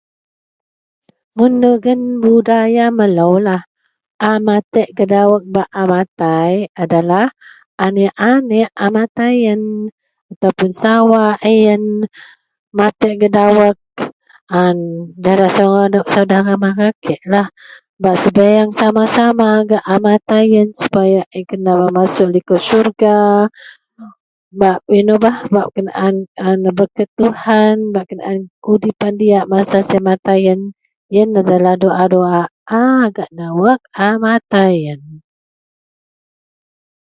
Mun dagen budaya meloulah, a matek gak dawek a matai adalah aneak-aneak matai yen ataupun a sawa ayen matek gak dawek an gahak saudara mara kek lah bak sebieng sama-sama gak a matai yen sepaya ayen kena masuok likou Sorga, bak inou bah kenaan neberket Tuhan kenaan udipan diyak masa siyen matai yen dagen doa-doa a gak dawek a matai yen